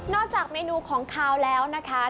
จากเมนูของขาวแล้วนะคะ